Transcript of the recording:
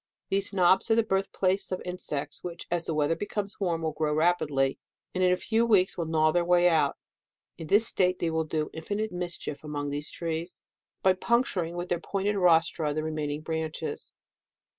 These knobs are the birth place of insects, which, as the weather becomes warm, will grow rapidly, and in a few weeks gnaw their way out. In this state they will do infinite mischief among these trees, by puncturing, 206 DECEMBER, with their pointed rostra, the remaining branches.